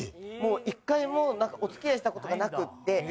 もう１回もお付き合いしたことがなくって。